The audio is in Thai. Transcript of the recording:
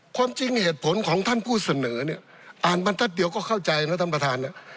ความจริงเหตุผลของท่านผู้เสนอเนี่ยอ่านบรรทัศน์เดียวก็เข้าใจนะท่านประธาน